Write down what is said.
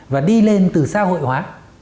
và đi lên từ xã hội hóa